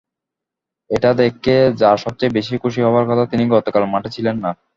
এটা দেখে যাঁর সবচেয়ে বেশি খুশি হওয়ার কথা, তিনি গতকাল মাঠে ছিলেন না।